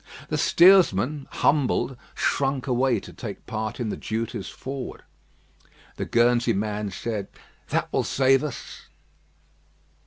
The steersman, humbled, shrunk away to take part in the duties forward. The Guernsey man said: "That will save us."